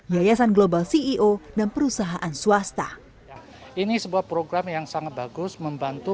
yayasan global ceo dan perusahaan swasta ini sebuah program yang sangat bagus membantu